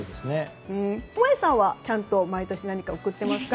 萌さんはちゃんと毎年何か贈っていますか？